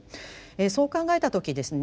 そう考えた時ですね